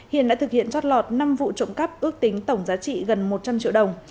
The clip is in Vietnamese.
hiền đã thực hiện trót lọt năm vụ trộm cắp ước tính tổng giá trị gần một trăm linh triệu đồng